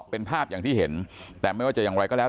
เป็นภาพอย่างที่เห็นแต่ไม่ว่าจะอย่างไรก็แล้ว